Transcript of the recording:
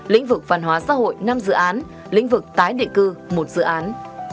lĩnh vực văn hóa xã hội năm dự án lĩnh vực tái định cư một dự án